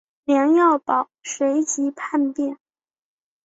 梁耀宝随即叛变。